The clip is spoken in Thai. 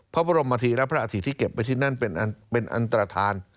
พระบรมธีและพระอาทิตที่เก็บไว้ที่นั่นเป็นอันตรฐาน